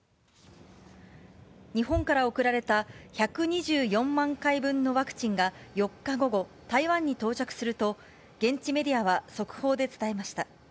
日本から送られた１２４万回分のワクチンが、４日午後、台湾に到着すると、現地メディアは速報で伝えました。